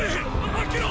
開けろ！！